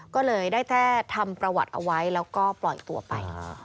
ก็เลยได้แค่ทำประวัติเอาไว้แล้วก็ปล่อยตัวไป